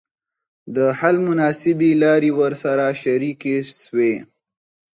د حل مناسبي لاري ورسره شریکي سوې.